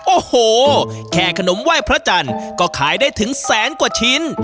โอ้โหแค่ขนมไหว้พระจันทร์ก็ขายได้ถึงแสนกว่าชิ้น